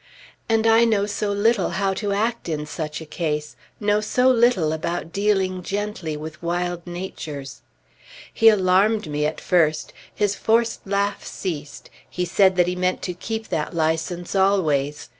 And I know so little how to act in such a case, know so little about dealing gently with wild natures! He alarmed me at first. His forced laugh ceased; he said that he meant to keep that license always.